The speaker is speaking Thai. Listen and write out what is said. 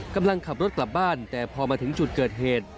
กำลังขับรถกลับบ้านแต่พอมาถึงจุดเกิดเหตุ